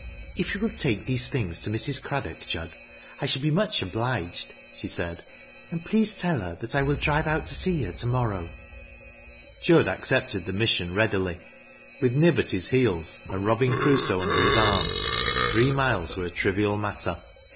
" If you will take these things to Mrs. Craddock, Jud, 1 shall be much obliged," she said ;" and please tell her that T will drive out to see her to morrow." Jud accepted the mission readily. With Nib at his heels, and " Eobinson Crusoe " under his arm, three miles wcro a trivial matter.